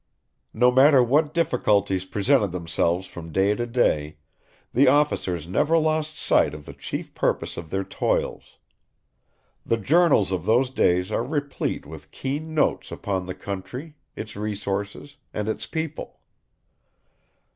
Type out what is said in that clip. No matter what difficulties presented themselves from day to day, the officers never lost sight of the chief purpose of their toils. The journals of those days are replete with keen notes upon the country, its resources, and its people.